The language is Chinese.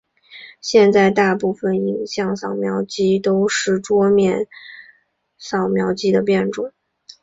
现在大部份影像扫描机都是桌面扫描机的变种。